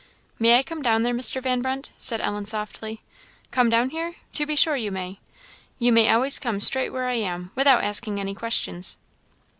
"May I come down there, Mr. Van Brunt?" said Ellen, softly. "Come down here? to be sure you may! You may always come straight where I am, without asking any questions."